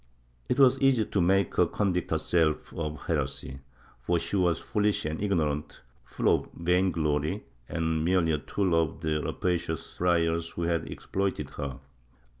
It was easy to make her convict her self of heresy, for she was fooHsh and ignorant, full of vain glory, and merely a tool of the rapacious friars who had exploited her.